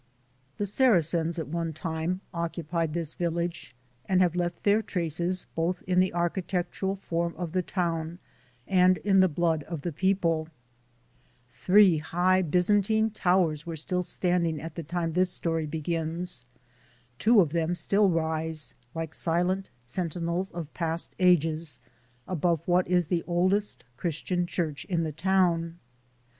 The Saracens at one time occupied this vil lage, and have left their traces, both in the architec tural form of the town and in the blood of the people. 131 4 THE SOUL OF AN IMMIGRANT Three high Byzantine towers were still standing at the time this story begins ; two of them still rise, like silent sentinels of past ages, above what is the oldest Christian church in the town.